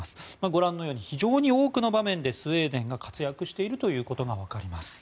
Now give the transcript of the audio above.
ご覧のように非常に多くの場面でスウェーデンが活躍しているということがわかります。